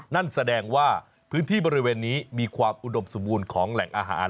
นั่นแสดงว่าพื้นที่บริเวณนี้มีความอุดมสมบูรณ์ของแหล่งอาหาร